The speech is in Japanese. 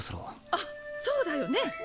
あっそうだよね。